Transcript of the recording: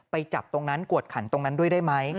ไปจับตรงนั้นกวดขันตรงนั้นด้วยได้ไหม